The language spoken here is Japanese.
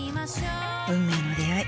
運命の出会い。